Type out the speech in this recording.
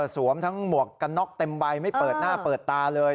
ทั้งหมวกกันน็อกเต็มใบไม่เปิดหน้าเปิดตาเลย